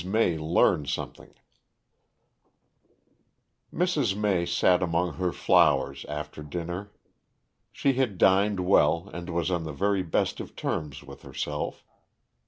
MAY LEARNS SOMETHING Mrs. May sat among her flowers after dinner. She had dined well and was on the very best of terms with herself.